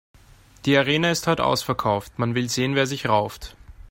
Die Arena ist heut' ausverkauft, man will sehen, wer sich rauft.